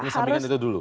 kesampingan itu dulu